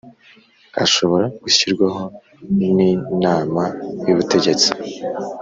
ashobora gushyirwaho n Inama y Ubutegetsi